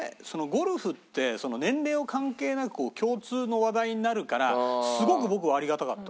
ゴルフって年齢を関係なく共通の話題になるからすごく僕はありがたかった。